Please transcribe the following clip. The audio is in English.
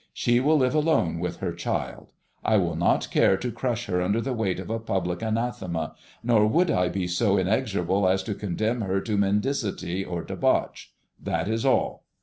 She will live alone with her child. I did not care to crush her under the weight of a public anathema, nor would I be so inexorable as to condemn her to mendicity or debauch, that is all.